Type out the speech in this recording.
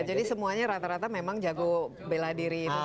jadi semuanya rata rata memang jago bela diri itu sendiri